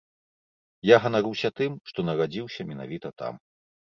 Я ганаруся тым, што нарадзіўся менавіта там.